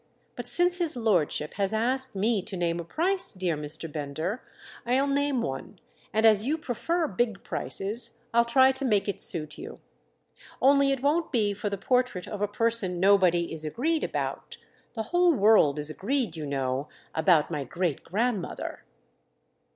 But since his lordship has asked me to name a price, dear Mr. Bender, I'll name one—and as you prefer big prices I'll try to make it suit you. Only it won't be for the portrait of a person nobody is agreed about. The whole world is agreed, you know, about my great grandmother."